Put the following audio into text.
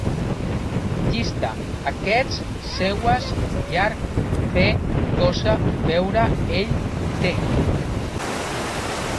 Llista: aquests, seues, llarg, fer, cosa, veure, ell, té